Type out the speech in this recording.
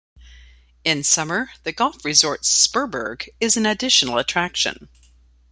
In summer, the golf resort "Sperberegg" is an additional attraction.